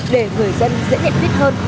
để người dân dễ nhận biết hơn